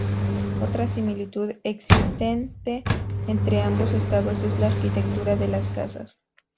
Otra similitud existente entre ambos estados es la arquitectura de las casas.